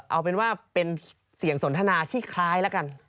เอาเป็นว่าเป็นเสียงสนทนาที่คล้ายแล้วกัน